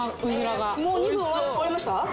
もう２分終わりました？